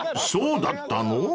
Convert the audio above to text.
［そうだったの⁉］